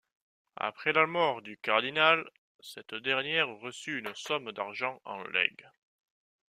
Après la mort du cardinal, cette dernière reçut une somme d’argent en legs.